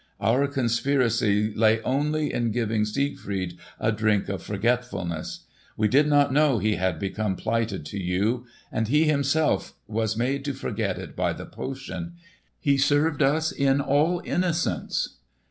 Our conspiracy lay only in giving Siegfried a drink of forgetfulness. We did not know he had become plighted to you; and he himself was made to forget it by the potion. He served us in all innocence."